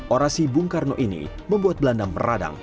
orasi bung karno ini membuat belanda meradang